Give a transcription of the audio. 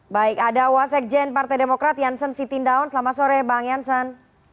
baik ada wasekjen partai demokrat janssen sitindaun selamat sore bang jansen